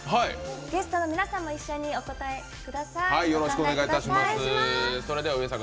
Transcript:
ゲストの皆さんも一緒にお答えください。